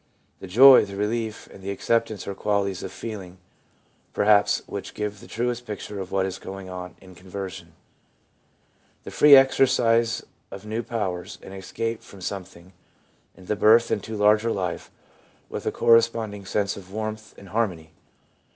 The joy, the relief, and the acceptance are qualities of feeling, perhaps, which give the truest picture of what is going on in conversion — the free exercise of new powers, an escape from some thing, and the birth into Larger Life, with the corre sponding sense of warmth and harmony.